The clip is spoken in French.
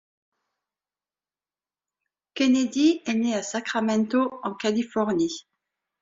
Kennedy est né à Sacramento en Californie.